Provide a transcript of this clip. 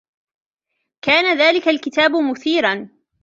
كان ذلك الكتاب مثيراً.